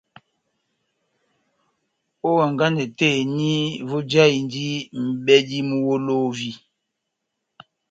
Ó hanganɛ tɛ́h eni vojahindi mʼbladi muholovi.